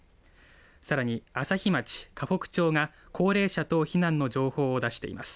さらに朝日町、河北町が高齢者等避難の情報を出しています。